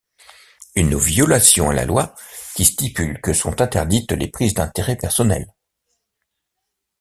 Une violation à la loi, qui stipule que sont interdites les prises d'intérêts personnelles.